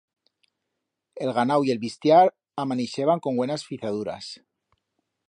El ganau y el bistiar amanixeban con buenas fizaduras.